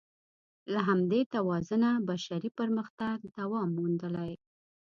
له همدې توازنه بشري پرمختګ دوام موندلی.